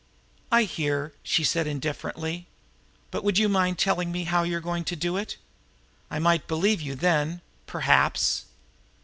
"I hear," she said indifferently. "But would you mind telling me how you are going to do it? I might believe you then perhaps!"